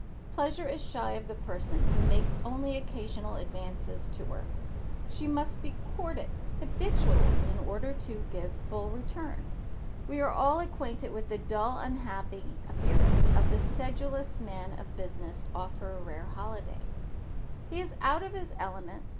Pleasure is shy of the person who makes only occasional advances to her. She must be courted habitually in order to give a full return. We are all acquainted with the dull unhappy appearance of the sedulous man of business off for a rare holiday. He is out of his element.